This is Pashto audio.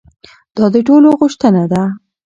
دا د ټولو غوښتنه ده.